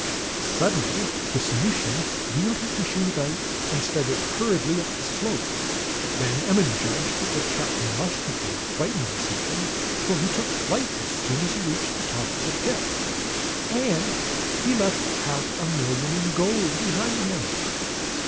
Suddenly the Sanusian wheeled his machine about and started hurriedly up the slope. Van Emmon judged that the chap had been frightened by something, for he took flight as soon as he reached the top of the pit. And he left half a million in gold behind him!